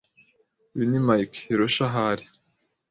Uyu ni Mike. Hiroshi ahari?